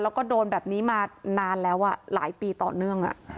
แล้วก็โดนแบบนี้มานานแล้วหลายปีต่อเนื่อง